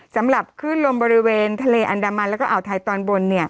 สำหรับคลื่นลมบริเวณทะเลอันดามันแล้วก็อ่าวไทยตอนบน